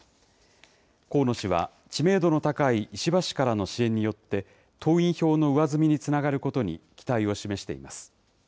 河野氏は、知名度の高い石破氏からの支援によって、党員票の上積みにつながることに期待を示しています。